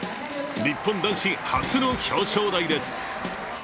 日本男子初の表彰台です。